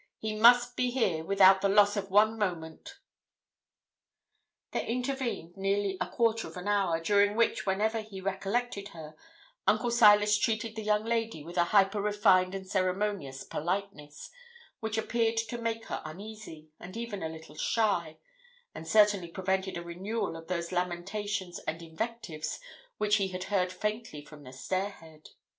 He must be here without the loss of one moment.' There intervened nearly a quarter of an hour, during which whenever he recollected her, Uncle Silas treated the young lady with a hyper refined and ceremonious politeness, which appeared to make her uneasy, and even a little shy, and certainly prevented a renewal of those lamentations and invectives which he had heard faintly from the stair head.